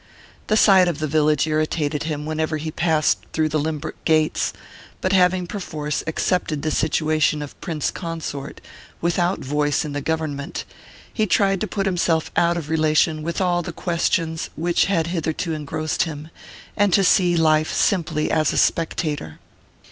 The sight of the village irritated him whenever he passed through the Lynbrook gates, but having perforce accepted the situation of prince consort, without voice in the government, he tried to put himself out of relation with all the questions which had hitherto engrossed him, and to see life simply as a spectator.